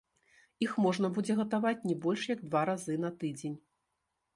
Іх можна будзе гатаваць не больш як два разы на тыдзень.